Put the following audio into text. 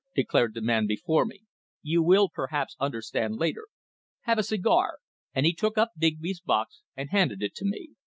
declared the man before me. "You will, perhaps, understand later. Have a cigar," and he took up Digby's box and handed it to me.